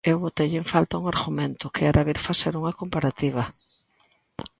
Eu boteille en falta un argumento, que era vir facer unha comparativa.